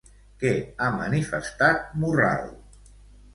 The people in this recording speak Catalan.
Què ha manifestat Morral?